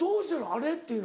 あれ？っていうの。